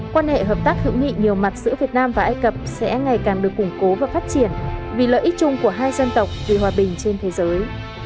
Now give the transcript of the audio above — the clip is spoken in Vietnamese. quan hệ hợp tác hữu nghị nhiều mặt giữa việt nam và ai cập sẽ ngày càng được củng cố và phát triển vì lợi ích chung của hai dân tộc vì hòa bình trên thế giới